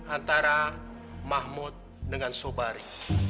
antara mahmud dengan sobari